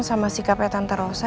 sama sikapnya tante rosa